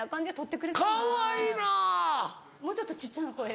もうちょっと小っちゃな声で。